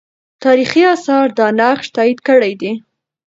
تاریخي آثار دا نقش تایید کړی دی.